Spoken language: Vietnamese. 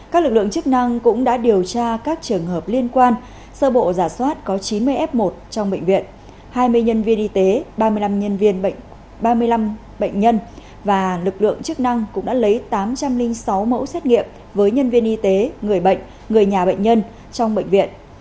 các lực lượng chức năng cũng đã điều tra các trường hợp liên quan sơ bộ giả soát có chín mươi f một trong bệnh viện hai mươi nhân viên y tế ba mươi năm nhân viên ba mươi năm bệnh nhân và lực lượng chức năng cũng đã lấy tám trăm linh sáu mẫu xét nghiệm với nhân viên y tế người bệnh người nhà bệnh nhân trong bệnh viện